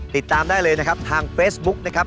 ติดตามได้เลยนะครับทางเฟซบุ๊กนะครับ